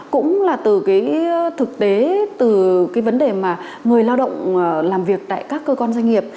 cũng là từ cái thực tế từ cái vấn đề mà người lao động làm việc tại các cơ quan doanh nghiệp